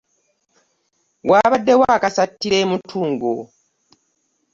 Wabaddewo akasattiiro e Mutungo